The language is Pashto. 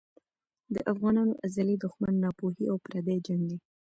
د افغانانو ازلي دښمن ناپوهي او پردی جنګ دی.